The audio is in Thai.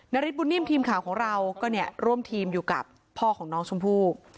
ริสบุญนิ่มทีมข่าวของเราก็เนี่ยร่วมทีมอยู่กับพ่อของน้องชมพู่